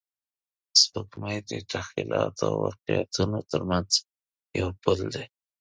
سپوږمۍ د تخیلاتو او واقعیتونو تر منځ یو پل دی